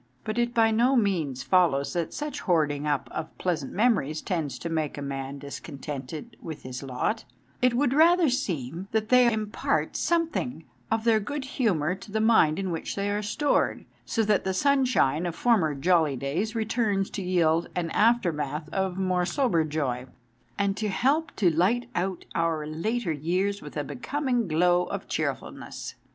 But it by no means follows that such hoarding up of pleasant memories tends to make a man dis contented with his lot ; it would rather seem that they impart something of their good humour to the mind in which they are stored, so that the sunshine of former jolly days returns to yield an aftermath of more sober joy, and to help to light out our later years with a becoming glow of cheerfulness.